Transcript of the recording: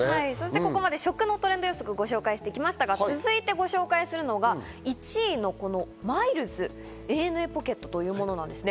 ここまで食のトレンド予測をご紹介してきましたが続いて紹介するのが１位のＭｉｌｅｓ、ＡＮＡＰｏｃｋｅｔというものです。